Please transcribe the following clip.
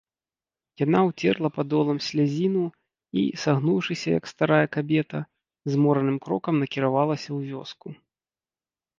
Яна ўцерла падолам слязіну і, сагнуўшыся, як старая кабета, змораным крокам накіравалася ў вёску.